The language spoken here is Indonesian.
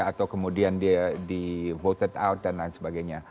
atau kemudian dia di vote out dan lain sebagainya